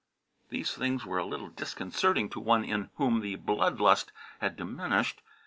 These things were a little disconcerting to one in whom the blood lust had diminished.